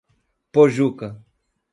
Pojuca